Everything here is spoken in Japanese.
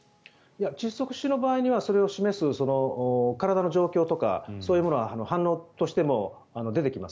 窒息死の場合にはそれを示す体の状況とかそういうものは反応として出てきます。